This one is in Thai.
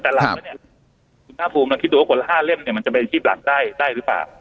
สมภาษาภูมิมันคิดดูว่าผล๕เล่มเนี่ยมันจะเป็นจีบหลังได้ได้หรือเปล่า